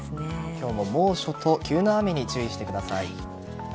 今日も猛暑と急な雨に注意してください。